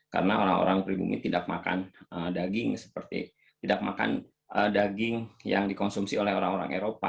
karena orang orang pribumi tidak makan daging seperti tidak makan daging yang dikonsumsi oleh orang orang eropa